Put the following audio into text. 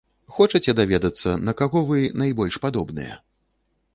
Хочаце даведацца, на каго вы найбольш падобныя?